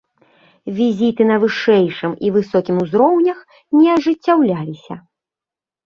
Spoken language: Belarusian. Візіты на вышэйшым і высокім узроўнях не ажыццяўляліся.